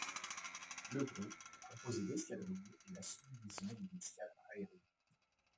Le groupe, composé d'escadrilles, est la subdivision d'une escadre aérienne.